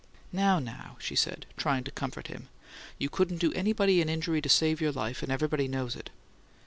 "Now, now!" she said, trying to comfort him. "You couldn't do anybody an injury to save your life, and everybody knows it."